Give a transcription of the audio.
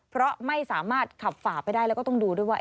เพราะไม่สามารถขับฝ่าไปได้แล้วก็ต้องดูด้วยว่า